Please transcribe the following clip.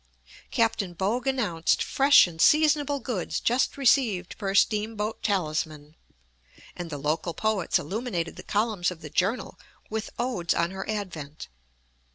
Captain Bogue announced "fresh and seasonable goods just received per steamboat Talisman," and the local poets illuminated the columns of the "Journal" with odes on her advent.